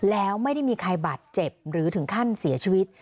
แล้วไม่ได้มีใครบาดเจ็บหรือถึงขั้นเสียชีวิต